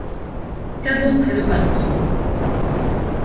Qu’a donc le patron?